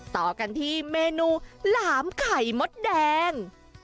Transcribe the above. ต่อกันที่เมนูหลามไข่มดแดง